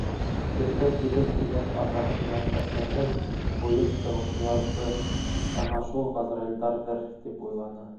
Төндә килеп инеп, атаһы менән әсәһен һуйып сығыусыларҙы ана шул ғазраилдарҙыр тип уйланы.